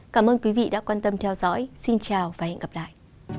cảm ơn các bạn đã theo dõi xin chào và hẹn gặp lại